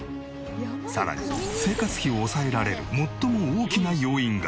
さらに生活費を抑えられる最も大きな要因が。